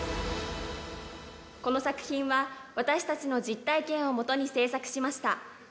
この作品は私たちの実体験をもとに制作しました。